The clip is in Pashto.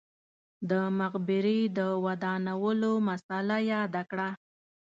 د مقبرې د ودانولو مسئله یاده کړه.